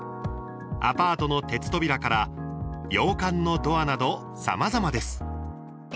アパートの鉄扉から洋館のドアなど、さまざまです。